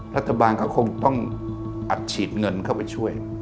รัฐบาลก็คงต้องอัดฉีดเงินเข้าไปช่วย